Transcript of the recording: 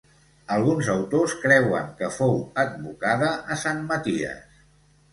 Alguns autors creuen que fou advocada a Sant Maties.